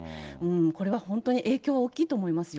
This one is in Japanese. これは本当に影響大きいと思いますよ。